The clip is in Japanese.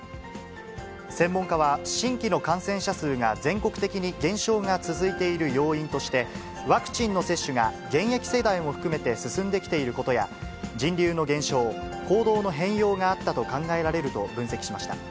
専門家は、新規の感染者数が全国的に減少が続いている要因として、ワクチンの接種が現役世代も含めて進んできていることや、人流の減少、行動の変容があったと考えられると分析しました。